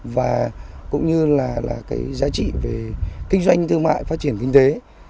và cũng như là cái giá trị về kinh doanh thương mại phát triển kinh tế